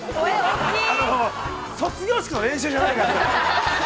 卒業式の練習じゃないからね。